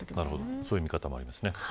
そういう見方もありますね。